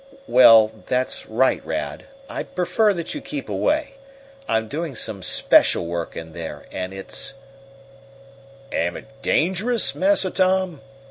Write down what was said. "Well, that's right, Rad. I'd prefer that you keep away. I'm doing some special work in there and it's " "Am it dangerous, Massa Tom?